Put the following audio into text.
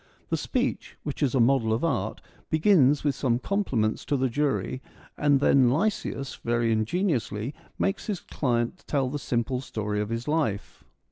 The speech, which is a model of art, begins with some compliments to the jury, and then Lysias, very ingeniously, makes his client tell the simple story of his life.